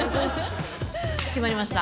決まりました。